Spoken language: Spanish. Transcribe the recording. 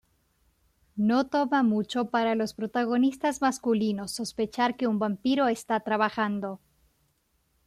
No toma mucho para los protagonistas masculinos sospechar que un vampiro está trabajando.